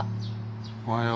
おはよう。